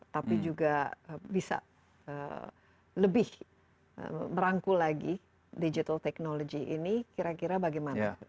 tapi juga bisa lebih merangkul lagi digital technology ini kira kira bagaimana